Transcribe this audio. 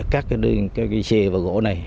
các cái xe và gỗ này